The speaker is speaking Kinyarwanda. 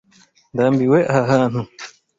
Ndambiwe aha hantu.